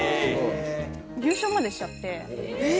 優勝までしちゃって。